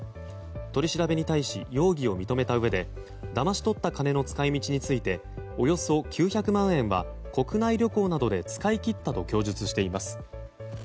取り調べに対し容疑を認めたうえでだまし取った金の使い道についておよそ９００万円は国内旅行などで使い切ったと供述しています。